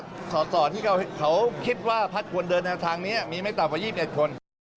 ต่อที่เขาคิดว่าพักควรเดินแนวทางนี้มีไม่ต่ำกว่า๒๑คน